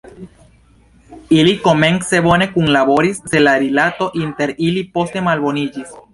Ili komence bone kunlaboris, sed la rilato inter ili poste malboniĝis.